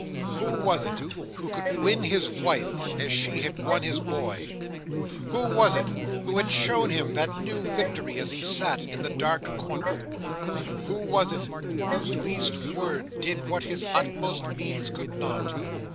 Who was it who could win his wife as she had won his boy? Who was it who had shown him that new victory, as he sat in the dark corner? Who was it whose least word did what his utmost means could not?